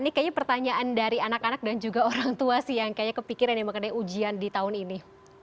ini kayaknya pertanyaan dari anak anak dan juga orang tua sih yang kayaknya kepikiran ya mengenai ujian di tahun ini